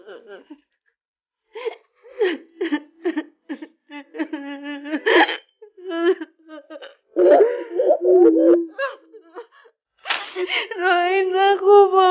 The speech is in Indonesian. mama doain aku ya